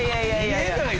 見えない